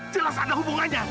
jelas ada hubungannya